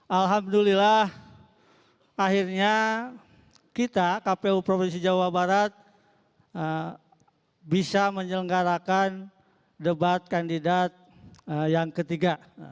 alhamdulillah akhirnya kita kpu provinsi jawa barat bisa menyelenggarakan debat kandidat yang ketiga